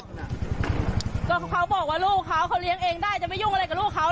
ก็เขาบอกว่าลูกเขาเขาเลี้ยงเองได้จะไม่ยุ่งอะไรกับลูกเขา